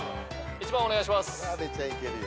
１番お願いします。